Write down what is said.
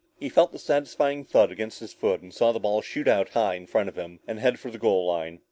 He felt the satisfying thud against his foot, and saw the ball shoot out high in front of him and head for the goal line.